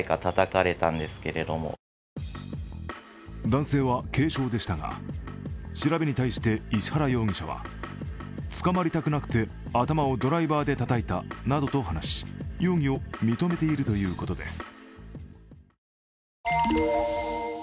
男性は軽傷でしたが、調べに対して石原容疑者は捕まりたくなくて頭をドライバーでたたいたなどと話し容疑を認めているということです。